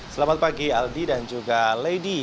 selamat pagi aldi dan juga lady